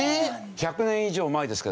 １００年以上前ですけどね